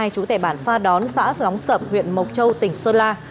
trú tại bản pha đón xã lóng sập huyện mộc châu tỉnh sơn la